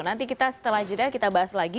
nanti kita setelah jeda kita bahas lagi